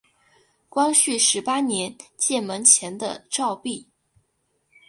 光绪十八年建门前的照壁。